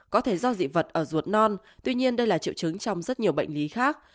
có thể do dị vật ở ruột non tuy nhiên đây là triệu chứng trong rất nhiều bệnh lý khác